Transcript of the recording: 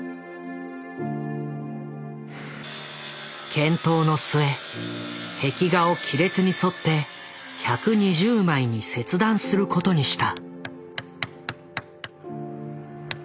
検討の末壁画を亀裂に沿って１２０枚に切断することにした。